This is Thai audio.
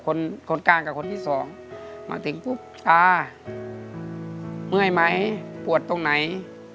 คนคนกลางกับคนที่สองมาถึงปุ๊บชาเมื่อยไหมปวดตรงไหน